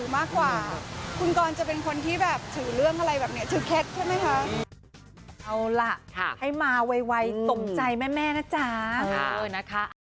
มาบอกอย่างมีคนที่แบบถือเรื่องอะไรแบบเนี่ยถือเค้กใช่มั้ยคะ